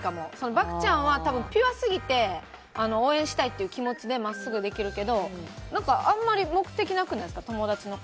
漠ちゃんはピュアすぎて応援したいって気持ちでまっすぐできるけどあんまり目的なくないですか？